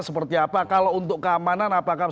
seperti apa kalau untuk keamanan apakah